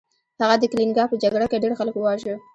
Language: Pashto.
هغه د کلینګا په جګړه کې ډیر خلک وواژه.